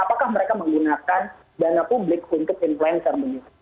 dan apakah mereka menggunakan dana publik untuk influencer begitu